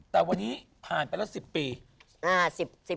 แต่วันนี้ผ่านไปแล้ว๑๐ปี